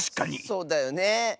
そうだよね。